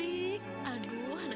eh mau hujan